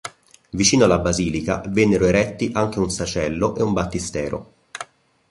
Vicino alla basilica vennero eretti anche un sacello e un battistero.